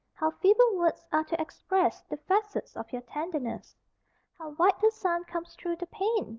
How feeble words are to express The facets of your tenderness. How white the sun comes through the pane!